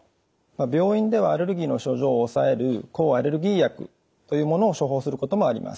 病院ではアレルギーの症状を抑える抗アレルギー薬というものを処方することもあります。